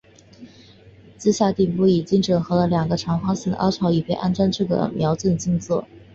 机匣顶部已经整合了两个长方形的凹槽以便安装这个瞄准镜座。